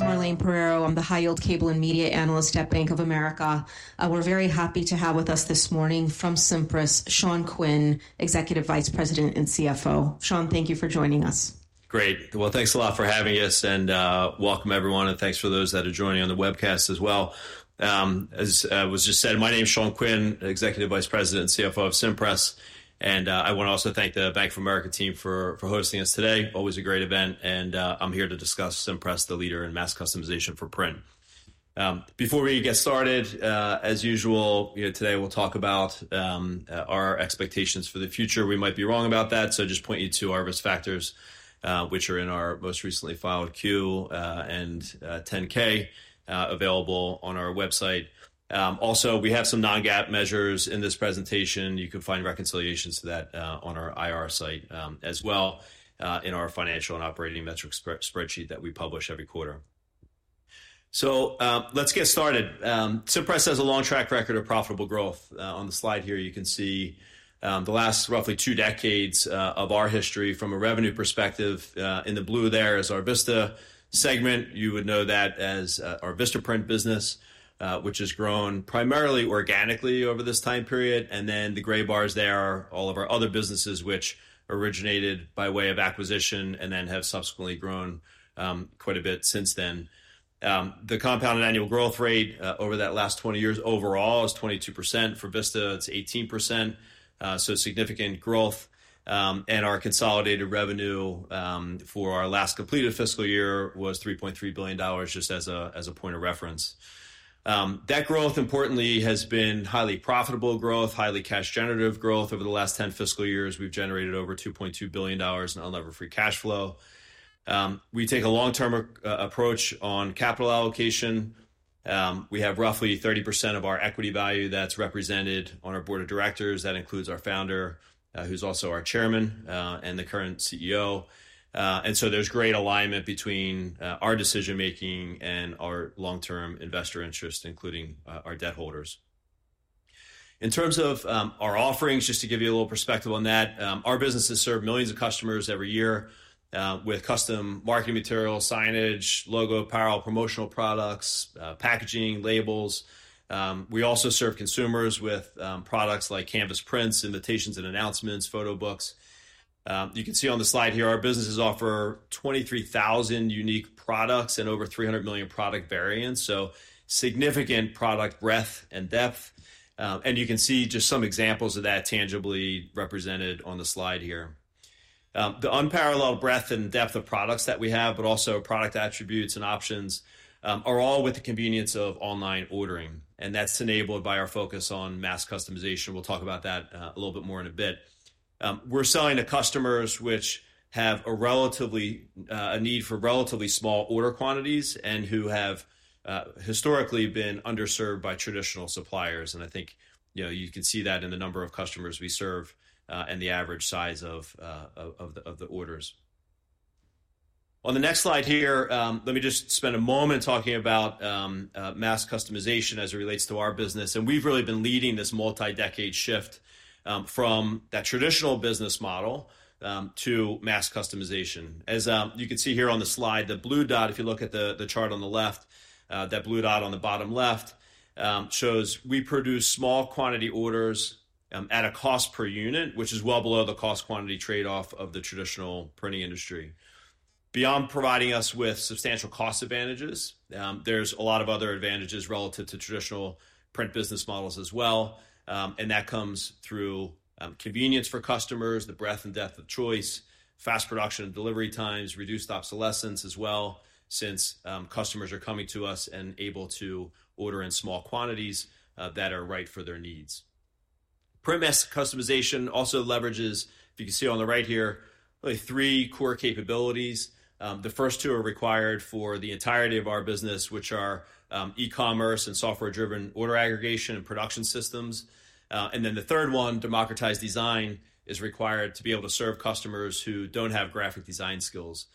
My name is Marlane Pereiro. I'm the high-yield cable and media analyst at Bank of America. We're very happy to have with us this morning from Cimpress, Sean Quinn, Executive Vice President and CFO. Sean, thank you for joining us. Great. Well, thanks a lot for having us, and welcome everyone, and thanks for those that are joining on the webcast as well. As was just said, my name is Sean Quinn, Executive Vice President and CFO of Cimpress, and I want to also thank the Bank of America team for hosting us today. Always a great event, and I'm here to discuss Cimpress, the leader in mass customization for print. Before we get started, as usual, today we'll talk about our expectations for the future. We might be wrong about that, so I just point you to our risk factors, which are in our most recently filed 10-Q and 10-K available on our website. Also, we have some non-GAAP measures in this presentation. You can find reconciliations to that on our IR site as well in our financial and operating metrics spreadsheet that we publish every quarter. So let's get started. Cimpress has a long track record of profitable growth. On the slide here, you can see the last roughly two decades of our history from a revenue perspective. In the blue there is our Vista segment. You would know that as our Vistaprint business, which has grown primarily organically over this time period. And then the gray bars there are all of our other businesses, which originated by way of acquisition and then have subsequently grown quite a bit since then. The compounded annual growth rate over that last 20 years overall is 22%. For Vista, it's 18%. So significant growth. And our consolidated revenue for our last completed fiscal year was $3.3 billion, just as a point of reference. That growth, importantly, has been highly profitable growth, highly cash-generative growth. Over the last 10 fiscal years, we've generated over $2.2 billion in unlevered free cash flow. We take a long-term approach on capital allocation. We have roughly 30% of our equity value that's represented on our board of directors. That includes our founder, who's also our chairman, and the current CEO. And so there's great alignment between our decision-making and our long-term investor interest, including our debt holders. In terms of our offerings, just to give you a little perspective on that, our businesses serve millions of customers every year with custom marketing materials, signage, logo apparel, promotional products, packaging, labels. We also serve consumers with products like canvas prints, invitations and announcements, photo books. You can see on the slide here, our businesses offer 23,000 unique products and over 300 million product variants. So significant product breadth and depth. And you can see just some examples of that tangibly represented on the slide here. The unparalleled breadth and depth of products that we have, but also product attributes and options, are all with the convenience of online ordering. And that's enabled by our focus on mass customization. We'll talk about that a little bit more in a bit. We're selling to customers which have a need for relatively small order quantities and who have historically been underserved by traditional suppliers. And I think you can see that in the number of customers we serve and the average size of the orders. On the next slide here, let me just spend a moment talking about mass customization as it relates to our business. And we've really been leading this multi-decade shift from that traditional business model to mass customization. As you can see here on the slide, the blue dot, if you look at the chart on the left, that blue dot on the bottom left shows we produce small quantity orders at a cost per unit, which is well below the cost-quantity trade-off of the traditional printing industry. Beyond providing us with substantial cost advantages, there's a lot of other advantages relative to traditional print business models as well, and that comes through convenience for customers, the breadth and depth of choice, fast production and delivery times, reduced obsolescence as well, since customers are coming to us and able to order in small quantities that are right for their needs. Print mass customization also leverages, if you can see on the right here, really three core capabilities. The first two are required for the entirety of our business, which are e-commerce and software-driven order aggregation and production systems. And then the third one, democratized design, is required to be able to serve customers who don't have graphic design skills.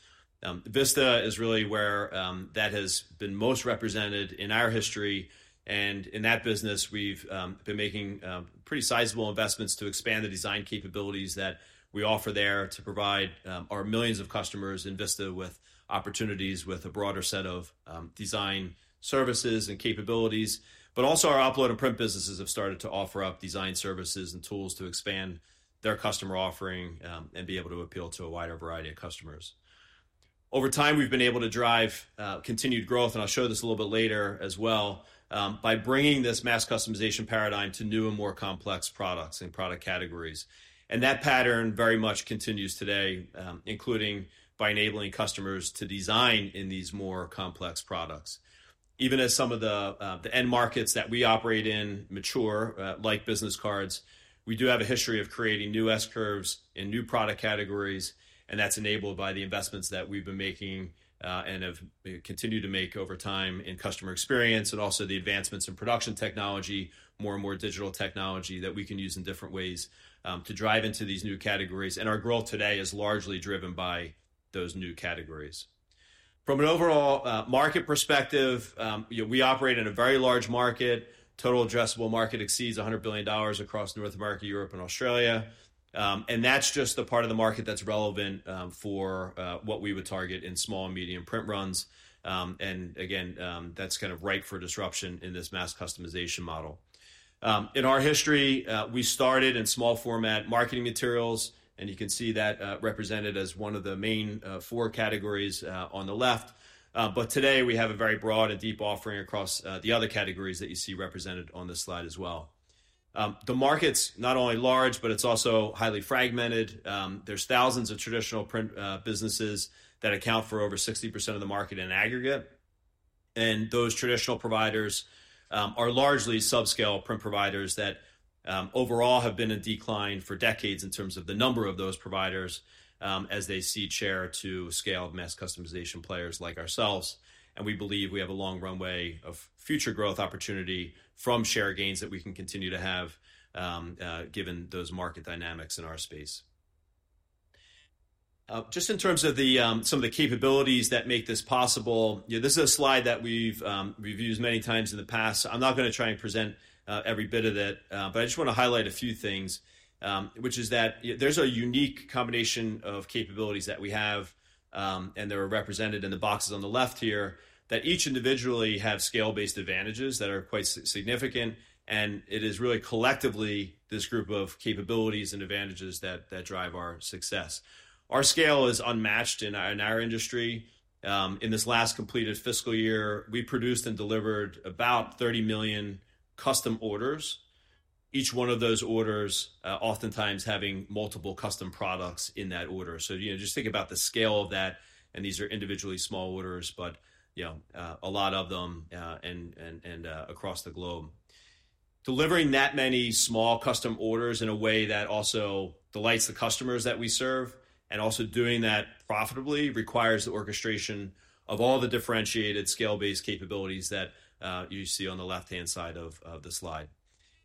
Vista is really where that has been most represented in our history. And in that business, we've been making pretty sizable investments to expand the design capabilities that we offer there to provide our millions of customers in Vista with opportunities with a broader set of design services and capabilities. But also our upload and print businesses have started to offer up design services and tools to expand their customer offering and be able to appeal to a wider variety of customers. Over time, we've been able to drive continued growth, and I'll show this a little bit later as well, by bringing this mass customization paradigm to new and more complex products and product categories. And that pattern very much continues today, including by enabling customers to design in these more complex products. Even as some of the end markets that we operate in mature, like business cards, we do have a history of creating new S-curves and new product categories. And that's enabled by the investments that we've been making and have continued to make over time in customer experience and also the advancements in production technology, more and more digital technology that we can use in different ways to drive into these new categories. And our growth today is largely driven by those new categories. From an overall market perspective, we operate in a very large market. Total addressable market exceeds $100 billion across North America, Europe, and Australia. And that's just the part of the market that's relevant for what we would target in small and medium print runs. And again, that's kind of ripe for disruption in this mass customization model. In our history, we started in small format marketing materials. And you can see that represented as one of the main four categories on the left. But today, we have a very broad and deep offering across the other categories that you see represented on this slide as well. The market's not only large, but it's also highly fragmented. There's thousands of traditional print businesses that account for over 60% of the market in aggregate. And those traditional providers are largely subscale print providers that overall have been in decline for decades in terms of the number of those providers as they cede share to scale mass customization players like ourselves. We believe we have a long runway of future growth opportunity from share gains that we can continue to have given those market dynamics in our space. Just in terms of some of the capabilities that make this possible, this is a slide that we've reviewed many times in the past. I'm not going to try and present every bit of it, but I just want to highlight a few things, which is that there's a unique combination of capabilities that we have, and they're represented in the boxes on the left here, that each individually have scale-based advantages that are quite significant. It is really collectively this group of capabilities and advantages that drive our success. Our scale is unmatched in our industry. In this last completed fiscal year, we produced and delivered about 30 million custom orders, each one of those orders oftentimes having multiple custom products in that order. So just think about the scale of that. And these are individually small orders, but a lot of them across the globe. Delivering that many small custom orders in a way that also delights the customers that we serve and also doing that profitably requires the orchestration of all the differentiated scale-based capabilities that you see on the left-hand side of the slide.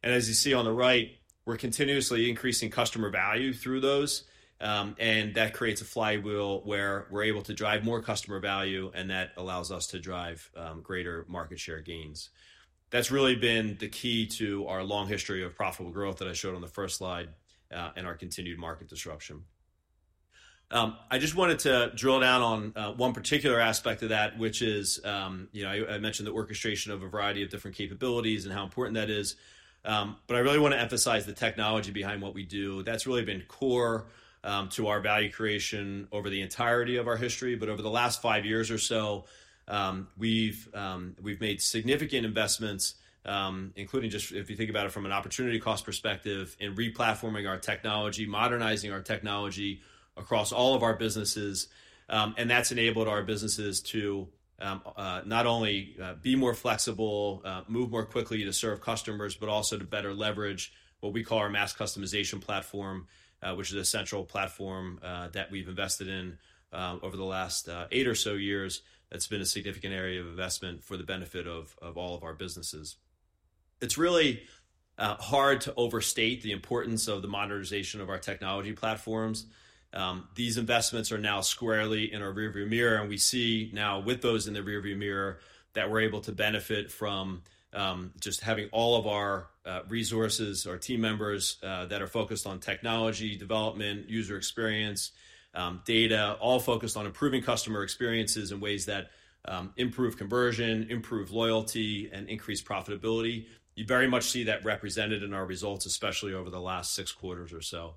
And as you see on the right, we're continuously increasing customer value through those. And that creates a flywheel where we're able to drive more customer value, and that allows us to drive greater market share gains. That's really been the key to our long history of profitable growth that I showed on the first slide and our continued market disruption. I just wanted to drill down on one particular aspect of that, which is I mentioned the orchestration of a variety of different capabilities and how important that is. But I really want to emphasize the technology behind what we do. That's really been core to our value creation over the entirety of our history. But over the last five years or so, we've made significant investments, including just if you think about it from an opportunity cost perspective in replatforming our technology, modernizing our technology across all of our businesses. And that's enabled our businesses to not only be more flexible, move more quickly to serve customers, but also to better leverage what we call our mass customization platform, which is an essential platform that we've invested in over the last eight or so years. That's been a significant area of investment for the benefit of all of our businesses. It's really hard to overstate the importance of the modernization of our technology platforms. These investments are now squarely in our rearview mirror. And we see now with those in the rearview mirror that we're able to benefit from just having all of our resources, our team members that are focused on technology development, user experience, data, all focused on improving customer experiences in ways that improve conversion, improve loyalty, and increase profitability. You very much see that represented in our results, especially over the last six quarters or so,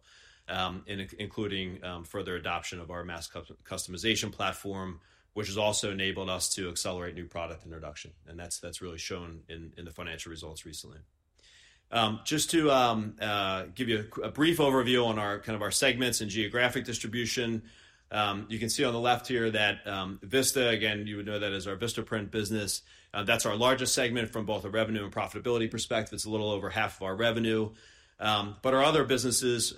including further adoption of our mass customization platform, which has also enabled us to accelerate new product introduction. And that's really shown in the financial results recently. Just to give you a brief overview on kind of our segments and geographic distribution, you can see on the left here that Vista, again, you would know that as our Vistaprint business. That's our largest segment from both a revenue and profitability perspective. It's a little over half of our revenue. But our other businesses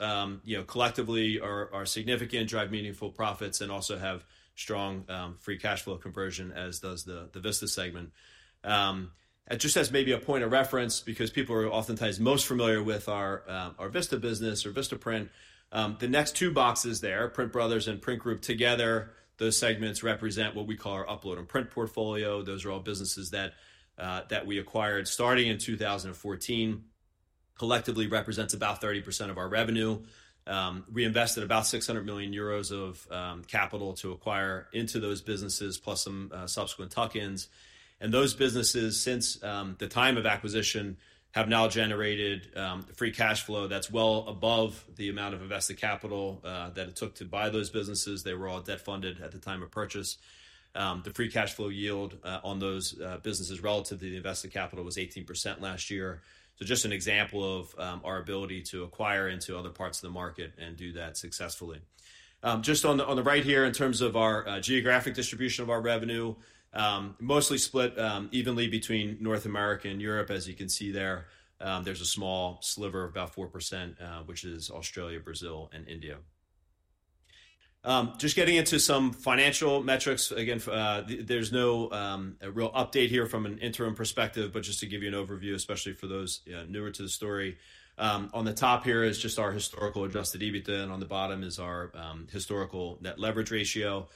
collectively are significant, drive meaningful profits, and also have strong free cash flow conversion, as does the Vista segment. Just as maybe a point of reference, because people are oftentimes most familiar with our Vista business or Vistaprint, the next two boxes there, PrintBrothers and Print Group together, those segments represent what we call our upload and print portfolio. Those are all businesses that we acquired starting in 2014, collectively represents about 30% of our revenue. We invested about 600 million euros of capital to acquire into those businesses, plus some subsequent tuck-ins, and those businesses, since the time of acquisition, have now generated free cash flow that's well above the amount of invested capital that it took to buy those businesses. They were all debt funded at the time of purchase. The free cash flow yield on those businesses relative to the invested capital was 18% last year, so just an example of our ability to acquire into other parts of the market and do that successfully. Just on the right here, in terms of our geographic distribution of our revenue, mostly split evenly between North America and Europe, as you can see there. There's a small sliver of about 4%, which is Australia, Brazil, and India. Just getting into some financial metrics. Again, there's no real update here from an interim perspective, but just to give you an overview, especially for those newer to the story. On the top here is just our historical Adjusted EBITDA, and on the bottom is our historical net leverage ratio.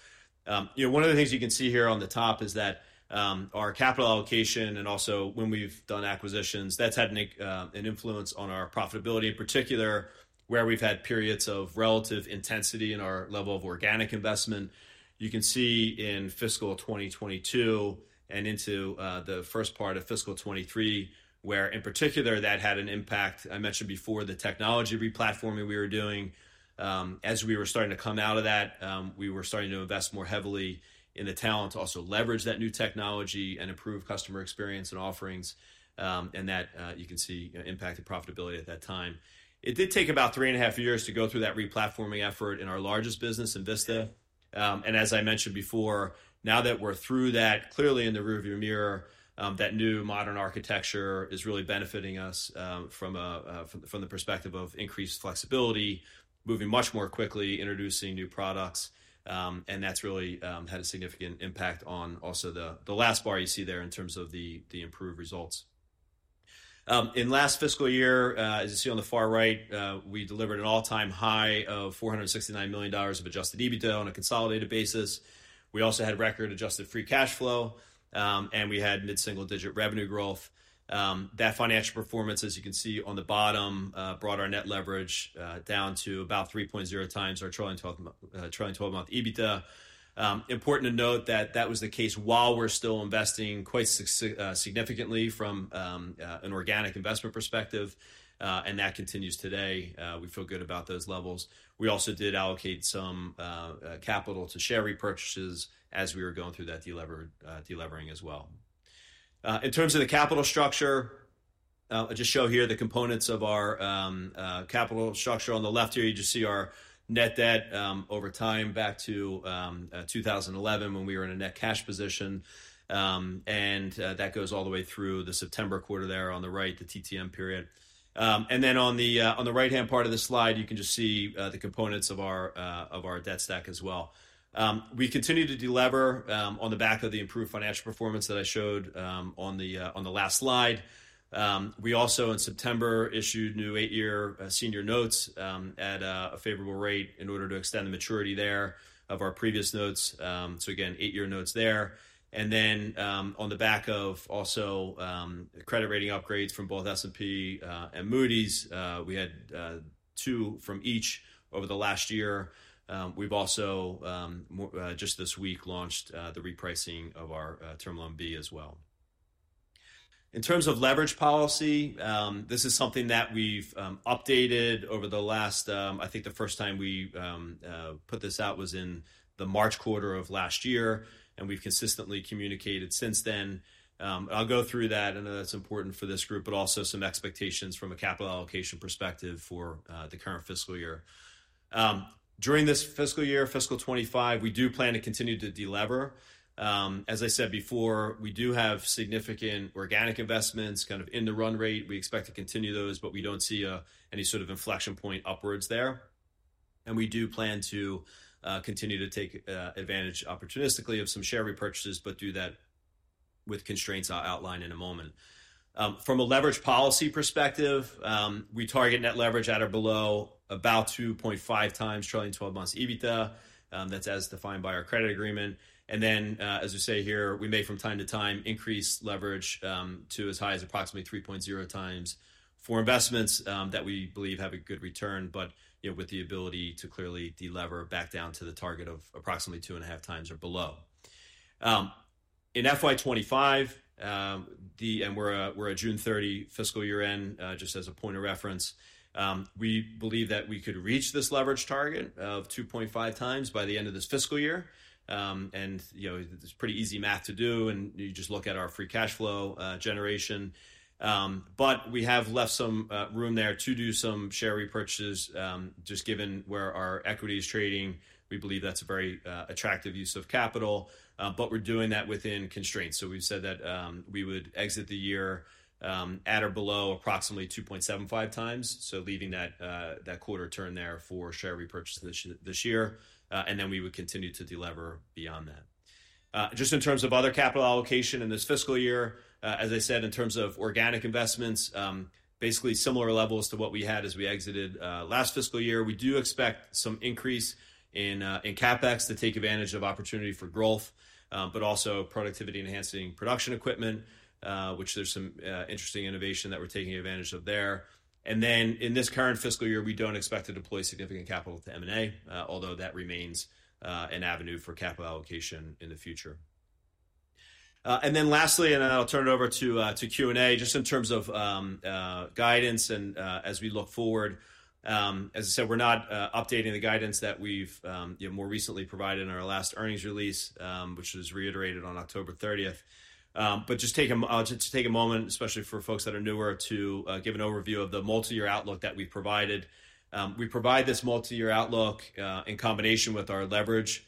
One of the things you can see here on the top is that our capital allocation and also when we've done acquisitions, that's had an influence on our profitability, in particular where we've had periods of relative intensity in our level of organic investment. You can see in fiscal 2022 and into the first part of fiscal 2023, where in particular that had an impact. I mentioned before the technology replatforming we were doing. As we were starting to come out of that, we were starting to invest more heavily in the talent to also leverage that new technology and improve customer experience and offerings, and that you can see impacted profitability at that time. It did take about three and a half years to go through that replatforming effort in our largest business in Vista, and as I mentioned before, now that we're through that, clearly in the rearview mirror, that new modern architecture is really benefiting us from the perspective of increased flexibility, moving much more quickly, introducing new products, and that's really had a significant impact on also the last bar you see there in terms of the improved results. In last fiscal year, as you see on the far right, we delivered an all-time high of $469 million of Adjusted EBITDA on a consolidated basis. We also had record Adjusted free cash flow, and we had mid-single-digit revenue growth. That financial performance, as you can see on the bottom, brought our net leverage down to about 3.0 times our trailing 12-month EBITDA. Important to note that that was the case while we're still investing quite significantly from an organic investment perspective. And that continues today. We feel good about those levels. We also did allocate some capital to share repurchases as we were going through that delevering as well. In terms of the capital structure, I'll just show here the components of our capital structure. On the left here, you just see our net debt over time back to 2011 when we were in a net cash position. That goes all the way through the September quarter there on the right, the TTM period. On the right-hand part of the slide, you can just see the components of our debt stack as well. We continue to deliver on the back of the improved financial performance that I showed on the last slide. We also, in September, issued new eight-year senior notes at a favorable rate in order to extend the maturity there of our previous notes. Again, eight-year notes there. On the back of also credit rating upgrades from both S&P and Moody's, we had two from each over the last year. We've also just this week launched the repricing of our Term Loan B as well. In terms of leverage policy, this is something that we've updated over the last. I think the first time we put this out was in the March quarter of last year, and we've consistently communicated since then. I'll go through that. I know that's important for this group, but also some expectations from a capital allocation perspective for the current fiscal year. During this fiscal year, fiscal 2025, we do plan to continue to deliver. As I said before, we do have significant organic investments kind of in the run rate. We expect to continue those, but we don't see any sort of inflection point upwards there, and we do plan to continue to take advantage opportunistically of some share repurchases, but do that with constraints I'll outline in a moment. From a leverage policy perspective, we target net leverage at or below about 2.5 times trailing 12-month EBITDA. That's as defined by our credit agreement. And then, as we say here, we may from time to time increase leverage to as high as approximately 3.0 times for investments that we believe have a good return, but with the ability to clearly deliver back down to the target of approximately two and a half times or below. In FY25, and we're at June 30, fiscal year end, just as a point of reference, we believe that we could reach this leverage target of 2.5 times by the end of this fiscal year. And it's pretty easy math to do, and you just look at our free cash flow generation. But we have left some room there to do some share repurchases. Just given where our equity is trading, we believe that's a very attractive use of capital. But we're doing that within constraints. We've said that we would exit the year at or below approximately 2.75x. So leaving that quarter turn there for share repurchase this year. And then we would continue to deliver beyond that. Just in terms of other capital allocation in this fiscal year, as I said, in terms of organic investments, basically similar levels to what we had as we exited last fiscal year. We do expect some increase in CapEx to take advantage of opportunity for growth, but also productivity-enhancing production equipment, which there's some interesting innovation that we're taking advantage of there. And then in this current fiscal year, we don't expect to deploy significant capital to M&A, although that remains an avenue for capital allocation in the future. And then lastly, and I'll turn it over to Q&A, just in terms of guidance and as we look forward. As I said, we're not updating the guidance that we've more recently provided in our last earnings release, which was reiterated on October 30th. But just to take a moment, especially for folks that are newer, to give an overview of the multi-year outlook that we've provided. We provide this multi-year outlook in combination with our leverage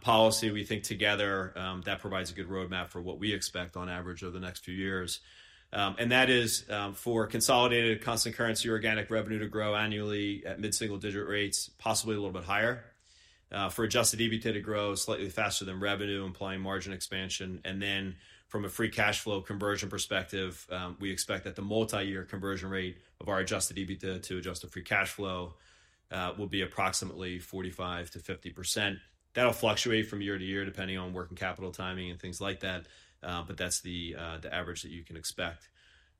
policy. We think together that provides a good roadmap for what we expect on average over the next few years. And that is for consolidated constant currency organic revenue to grow annually at mid-single-digit rates, possibly a little bit higher. For adjusted EBITDA to grow slightly faster than revenue, implying margin expansion. And then from a free cash flow conversion perspective, we expect that the multi-year conversion rate of our adjusted EBITDA to adjusted free cash flow will be approximately 45%-50%. That'll fluctuate from year to year depending on working capital timing and things like that. But that's the average that you can expect.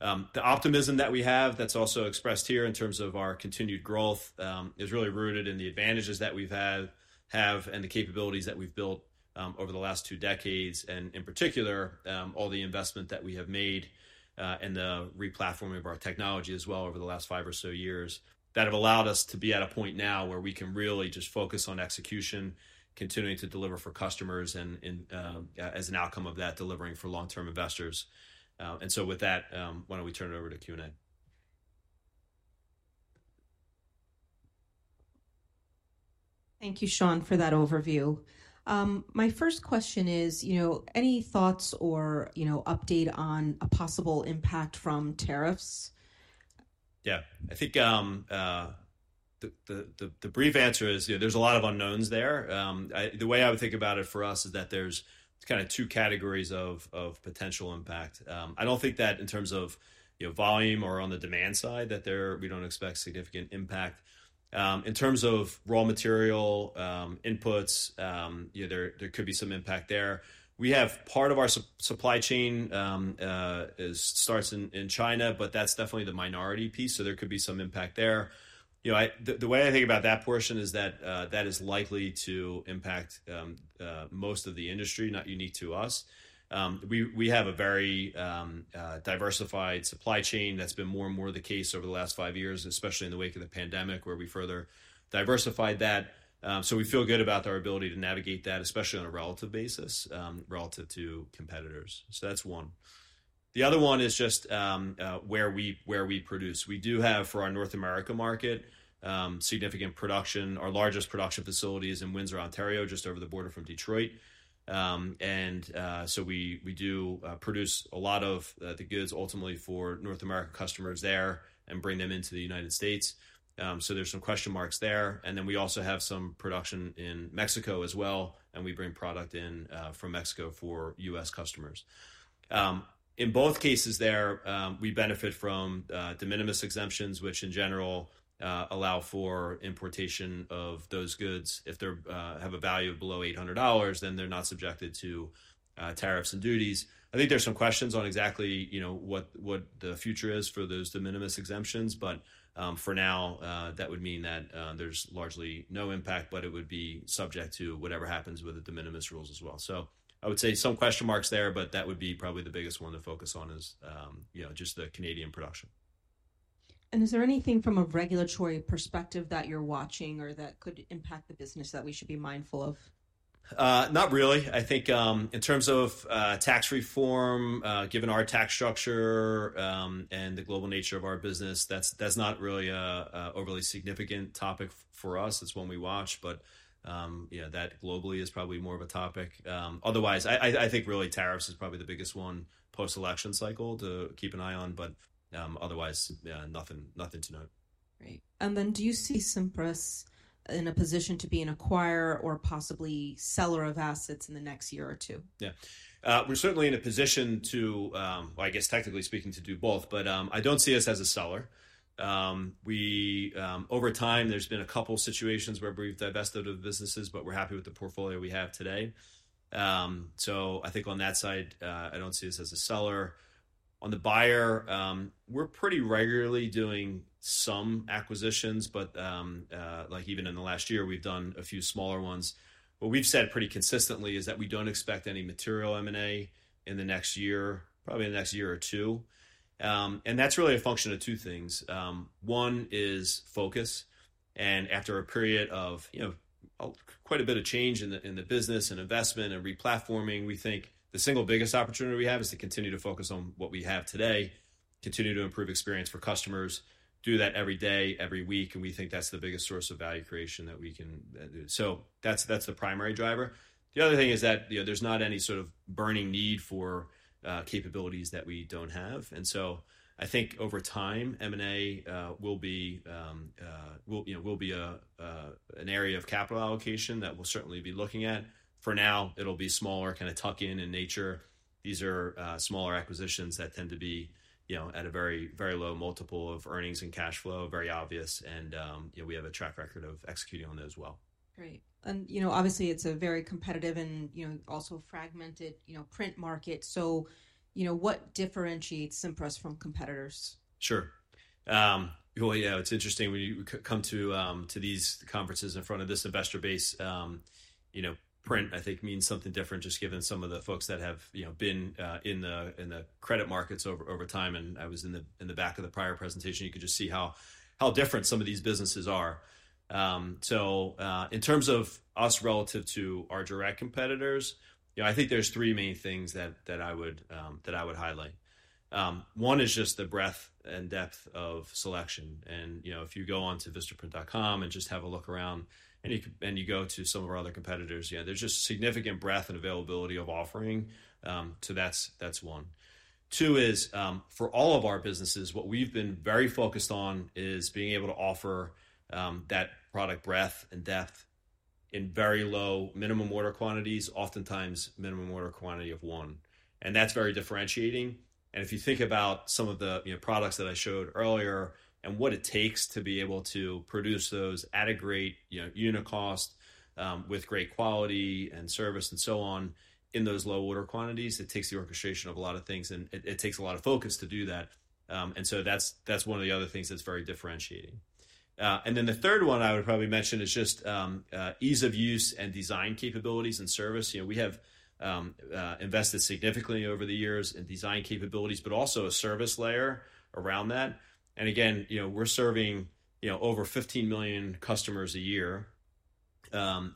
The optimism that we have that's also expressed here in terms of our continued growth is really rooted in the advantages that we've had and the capabilities that we've built over the last two decades. And in particular, all the investment that we have made in the replatforming of our technology as well over the last five or so years that have allowed us to be at a point now where we can really just focus on execution, continuing to deliver for customers and as an outcome of that delivering for long-term investors. And so with that, why don't we turn it over to Q&A? Thank you, Sean, for that overview. My first question is, any thoughts or update on a possible impact from tariffs? Yeah. I think the brief answer is there's a lot of unknowns there. The way I would think about it for us is that there's kind of two categories of potential impact. I don't think that in terms of volume or on the demand side that we don't expect significant impact. In terms of raw material inputs, there could be some impact there. We have part of our supply chain starts in China, but that's definitely the minority piece. So there could be some impact there. The way I think about that portion is that that is likely to impact most of the industry, not unique to us. We have a very diversified supply chain that's been more and more the case over the last five years, especially in the wake of the pandemic where we further diversified that. So we feel good about our ability to navigate that, especially on a relative basis relative to competitors. So that's one. The other one is just where we produce. We do have for our North America market significant production. Our largest production facility is in Windsor, Ontario, just over the border from Detroit. And so we do produce a lot of the goods ultimately for North America customers there and bring them into the United States. So there's some question marks there. And then we also have some production in Mexico as well. And we bring product in from Mexico for U.S. customers. In both cases there, we benefit from de minimis exemptions, which in general allow for importation of those goods. If they have a value of below $800, then they're not subjected to tariffs and duties. I think there's some questions on exactly what the future is for those de minimis exemptions. But for now, that would mean that there's largely no impact, but it would be subject to whatever happens with the de minimis rules as well. So I would say some question marks there, but that would be probably the biggest one to focus on is just the Canadian production. And is there anything from a regulatory perspective that you're watching or that could impact the business that we should be mindful of? Not really. I think in terms of tax reform, given our tax structure and the global nature of our business, that's not really an overly significant topic for us. It's one we watch, but that globally is probably more of a topic. Otherwise, I think really tariffs is probably the biggest one post-election cycle to keep an eye on, but otherwise, nothing to note. Great, and then do you see Cimpress in a position to be an acquirer or possibly seller of assets in the next year or two? Yeah. We're certainly in a position to, I guess, technically speaking, to do both, but I don't see us as a seller. Over time, there's been a couple of situations where we've divested of businesses, but we're happy with the portfolio we have today. So I think on that side, I don't see us as a seller. On the buyer, we're pretty regularly doing some acquisitions, but even in the last year, we've done a few smaller ones. What we've said pretty consistently is that we don't expect any material M&A in the next year, probably in the next year or two. And that's really a function of two things. One is focus. And after a period of quite a bit of change in the business and investment and replatforming, we think the single biggest opportunity we have is to continue to focus on what we have today, continue to improve experience for customers, do that every day, every week. And we think that's the biggest source of value creation that we can do. So that's the primary driver. The other thing is that there's not any sort of burning need for capabilities that we don't have. And so I think over time, M&A will be an area of capital allocation that we'll certainly be looking at. For now, it'll be smaller, kind of tuck-in in nature. These are smaller acquisitions that tend to be at a very, very low multiple of earnings and cash flow, very obvious. And we have a track record of executing on those well. Great. And obviously, it's a very competitive and also fragmented print market. So what differentiates Cimpress from competitors? Sure. Well, yeah, it's interesting. When you come to these conferences in front of this investor base, print, I think, means something different just given some of the folks that have been in the credit markets over time. And I was in the back of the prior presentation. You could just see how different some of these businesses are. So in terms of us relative to our direct competitors, I think there's three main things that I would highlight. One is just the breadth and depth of selection. And if you go on to Vistaprint.com and just have a look around and you go to some of our other competitors, there's just significant breadth and availability of offering. So that's one. Two is for all of our businesses, what we've been very focused on is being able to offer that product breadth and depth in very low minimum order quantities, oftentimes minimum order quantity of one. And that's very differentiating. And if you think about some of the products that I showed earlier and what it takes to be able to produce those at a great unit cost with great quality and service and so on in those low order quantities, it takes the orchestration of a lot of things, and it takes a lot of focus to do that. And so that's one of the other things that's very differentiating. And then the third one I would probably mention is just ease of use and design capabilities and service. We have invested significantly over the years in design capabilities, but also a service layer around that. And again, we're serving over 15 million customers a year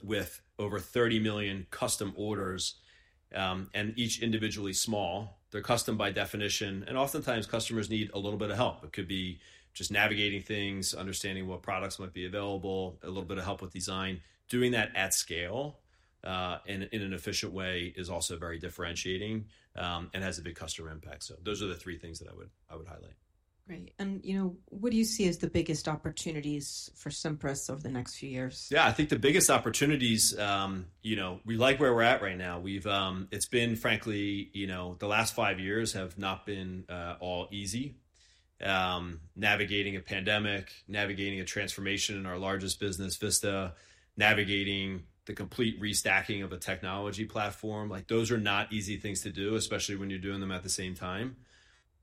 with over 30 million custom orders. And each individually small. They're custom by definition. And oftentimes, customers need a little bit of help. It could be just navigating things, understanding what products might be available, a little bit of help with design. Doing that at scale in an efficient way is also very differentiating and has a big customer impact. So those are the three things that I would highlight. Great. And what do you see as the biggest opportunities for Cimpress over the next few years? Yeah, I think the biggest opportunities, we like where we're at right now. It's been, frankly, the last five years have not been all easy. Navigating a pandemic, navigating a transformation in our largest business, Vista, navigating the complete restacking of a technology platform. Those are not easy things to do, especially when you're doing them at the same time.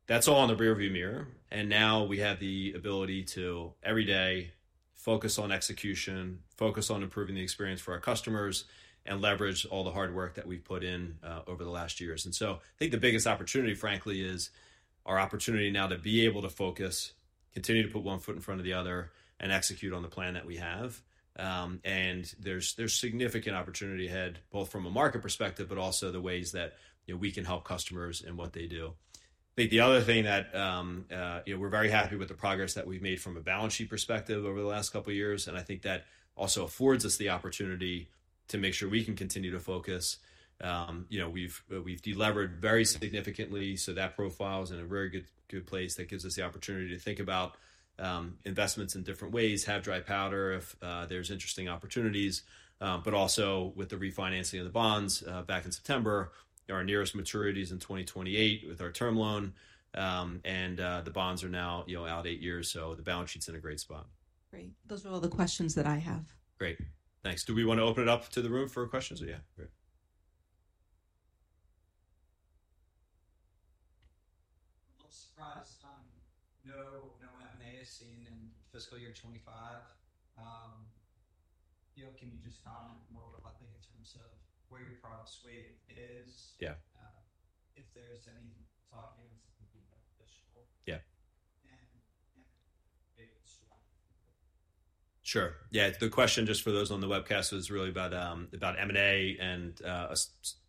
That's all on the rearview mirror, and now we have the ability to every day focus on execution, focus on improving the experience for our customers, and leverage all the hard work that we've put in over the last years, and so I think the biggest opportunity, frankly, is our opportunity now to be able to focus, continue to put one foot in front of the other, and execute on the plan that we have, and there's significant opportunity ahead, both from a market perspective, but also the ways that we can help customers in what they do. I think the other thing that we're very happy with the progress that we've made from a balance sheet perspective over the last couple of years. And I think that also affords us the opportunity to make sure we can continue to focus. We've delivered very significantly. So that profile is in a very good place that gives us the opportunity to think about investments in different ways, have dry powder if there's interesting opportunities. But also with the refinancing of the bonds back in September, our nearest maturity is in 2028 with our term loan. And the bonds are now out eight years. So the balance sheet's in a great spot. Great. Those are all the questions that I have. Great. Thanks. Do we want to open it up to the room for questions? Yeah. Great. A little surprised on no M&A is seen in fiscal year 2025. Can you just comment more broadly in terms of where your product suite is? Yeah. If there's any talking of something beneficial. Yeah. And maybe a surprise. Sure. Yeah. The question just for those on the webcast was really about M&A and a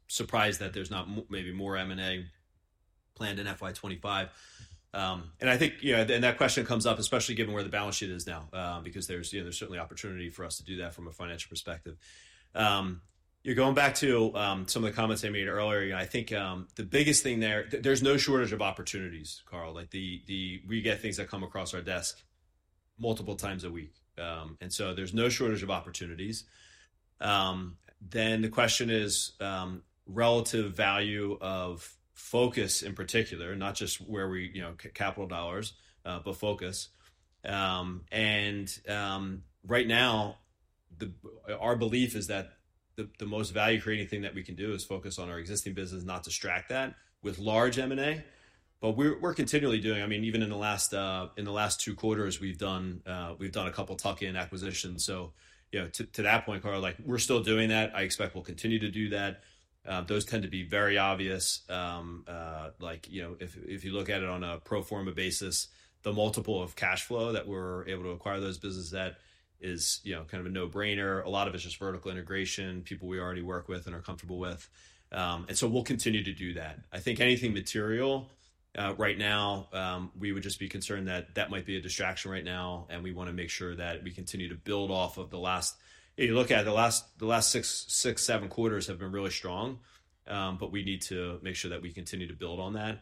surprise that there's not maybe more M&A planned in FY25. And I think that question comes up, especially given where the balance sheet is now, because there's certainly opportunity for us to do that from a financial perspective. Going back to some of the comments I made earlier, I think the biggest thing there, there's no shortage of opportunities, Carl. We get things that come across our desk multiple times a week. And so there's no shortage of opportunities. Then the question is relative value of focus in particular, not just where we allocate capital, but focus. And right now, our belief is that the most value-creating thing that we can do is focus on our existing business, not distract that with large M&A. But we're continually doing, I mean, even in the last two quarters, we've done a couple of tuck-in acquisitions. So to that point, Carl, we're still doing that. I expect we'll continue to do that. Those tend to be very obvious. If you look at it on a pro forma basis, the multiple of cash flow that we're able to acquire those businesses at is kind of a no-brainer. A lot of it's just vertical integration, people we already work with and are comfortable with. And so we'll continue to do that. I think anything material right now, we would just be concerned that that might be a distraction right now. And we want to make sure that we continue to build off of the last. If you look at the last six, seven quarters have been really strong, but we need to make sure that we continue to build on that.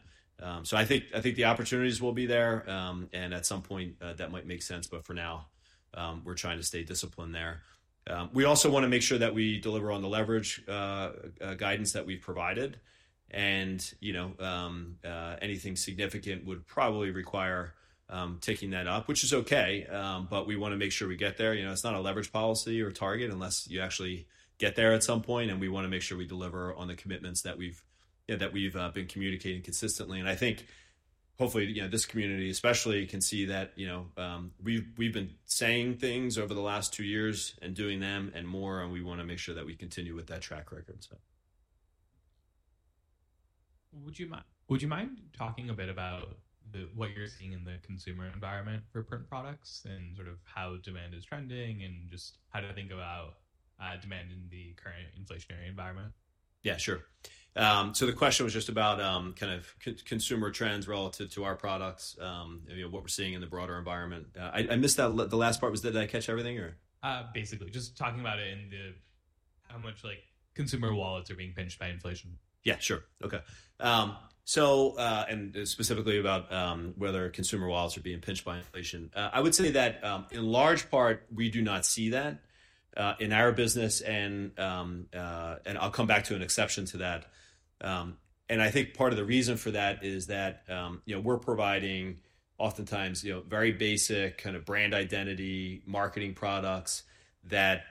So I think the opportunities will be there. And at some point, that might make sense. But for now, we're trying to stay disciplined there. We also want to make sure that we deliver on the leverage guidance that we've provided. And anything significant would probably require taking that up, which is okay. But we want to make sure we get there. It's not a leverage policy or target unless you actually get there at some point. And we want to make sure we deliver on the commitments that we've been communicating consistently. And I think hopefully this community especially can see that we've been saying things over the last two years and doing them and more. And we want to make sure that we continue with that track record. Would you mind talking a bit about what you're seeing in the consumer environment for print products and sort of how demand is trending and just how to think about demand in the current inflationary environment? Yeah, sure. So the question was just about kind of consumer trends relative to our products, what we're seeing in the broader environment. I missed that. The last part, was that did I catch everything or? Basically, just talking about it and how much consumer wallets are being pinched by inflation. Yeah, sure. Okay. And specifically about whether consumer wallets are being pinched by inflation. I would say that in large part, we do not see that in our business. And I'll come back to an exception to that. And I think part of the reason for that is that we're providing oftentimes very basic kind of brand identity, marketing products that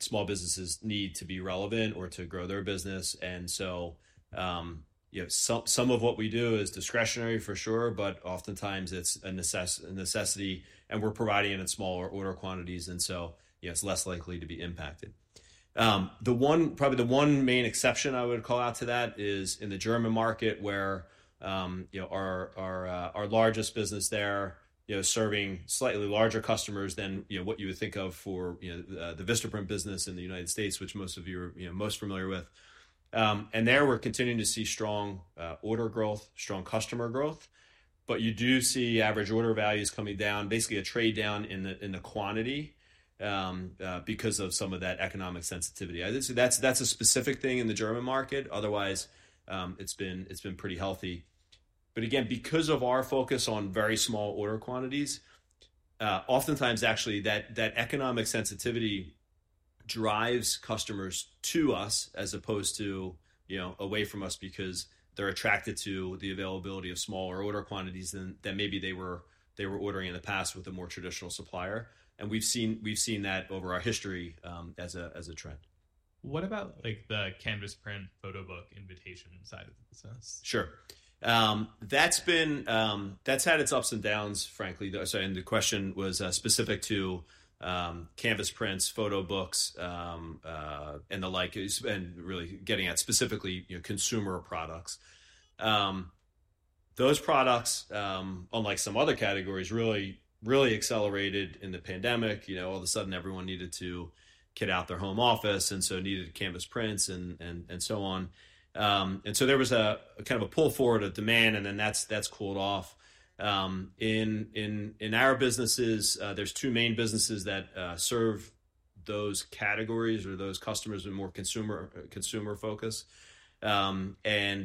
small businesses need to be relevant or to grow their business. And so some of what we do is discretionary for sure, but oftentimes it's a necessity. And we're providing it in smaller order quantities. And so it's less likely to be impacted. Probably the one main exception I would call out to that is in the German market where our largest business there is serving slightly larger customers than what you would think of for the Vistaprint business in the United States, which most of you are most familiar with. And there we're continuing to see strong order growth, strong customer growth. But you do see average order values coming down, basically a trade down in the quantity because of some of that economic sensitivity. That's a specific thing in the German market. Otherwise, it's been pretty healthy. But again, because of our focus on very small order quantities, oftentimes actually that economic sensitivity drives customers to us as opposed to away from us because they're attracted to the availability of smaller order quantities than maybe they were ordering in the past with a more traditional supplier. And we've seen that over our history as a trend. What about the canvas print photo book invitation side of the business? Sure. That's had its ups and downs, frankly. And the question was specific to canvas prints, photo books, and the like, and really getting at specifically consumer products. Those products, unlike some other categories, really accelerated in the pandemic. All of a sudden, everyone needed to get out of their home office and so needed canvas prints and so on. And so there was a kind of a pull forward of demand, and then that's cooled off. In our businesses, there's two main businesses that serve those categories or those customers with more consumer focus. And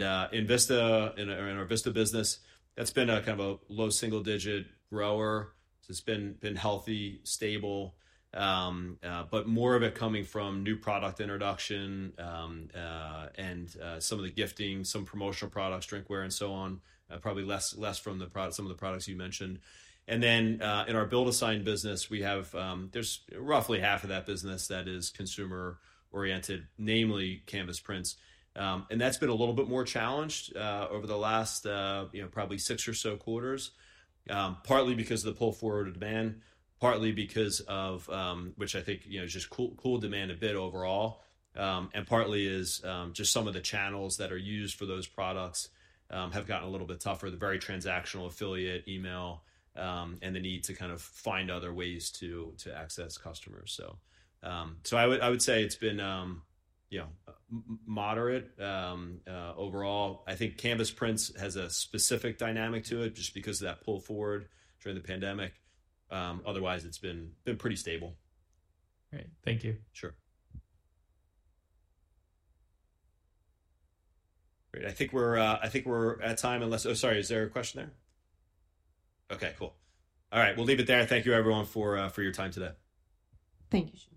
in Vista, in our Vista business, that's been a kind of a low single-digit grower. It's been healthy, stable, but more of it coming from new product introduction and some of the gifting, some promotional products, drinkware, and so on, probably less from some of the products you mentioned. And then in our BuildASign business, there's roughly half of that business that is consumer-oriented, namely canvas prints. That's been a little bit more challenged over the last probably six or so quarters, partly because of the pull forward of demand, partly because of, which I think is just lower demand a bit overall, and partly is just some of the channels that are used for those products have gotten a little bit tougher, the very transactional affiliate email and the need to kind of find other ways to access customers. So I would say it's been moderate overall. I think canvas prints has a specific dynamic to it just because of that pull forward during the pandemic. Otherwise, it's been pretty stable. Great. Thank you. Sure. Great. I think we're at time. Oh, sorry. Is there a question there? Okay. Cool. All right. We'll leave it there. Thank you, everyone, for your time today. Thank you, Sean.